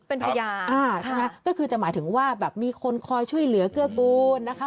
เป็นพญาอ่าใช่ไหมก็คือจะหมายถึงว่าแบบมีคนคอยช่วยเหลือเกื้อกูลนะคะ